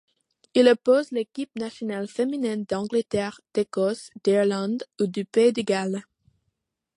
Il oppose les équipes nationales féminines d'Angleterre, d'Écosse, d'Irlande et du pays de Galles.